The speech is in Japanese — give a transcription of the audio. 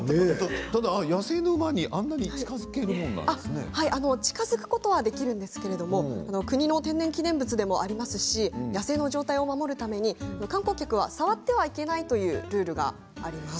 ただ野生の馬にあんなに近づくことはできるんですけど国の天然記念物でもありますし野生の状態を守るために観光客は触ってはいけないというルールがあります。